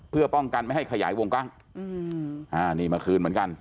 เพื่อป้องกันไม่ให้ขยายวงกว้างนี่มาคืนเหมือนกัน